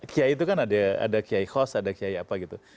kiai itu kan ada kiai khos ada kiai apa gitu